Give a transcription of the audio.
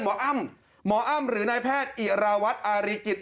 มออ้ำหมออ้ำหรือเน้นแพทย์หิระวัตบ์อาริกฤต